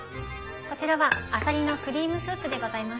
こちらはあさりのクリームスープでございます。